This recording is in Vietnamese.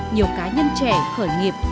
nhiều cá nhân trẻ khởi nghiệp